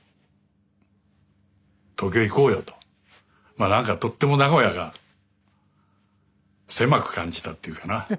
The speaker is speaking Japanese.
まあ何かとっても名古屋が狭く感じたっていうかな。